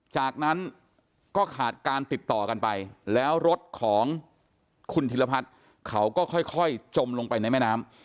จากนั้นก็ขาดการติดต่อกันไปแล้วรถของคุณธิรพัฒน์เขาก็ค่อยจมลงไปในแม่น้ำ